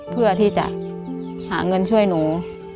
เพื่อที่จะหาเงินช่วยหนู